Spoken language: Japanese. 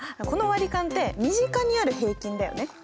この割り勘って身近にある平均だよね。